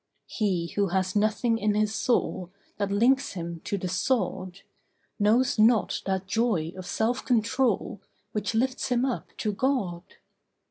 He who has nothing in his soul That links him to the sod, Knows not that joy of self control Which lifts him up to God.